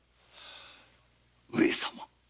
上様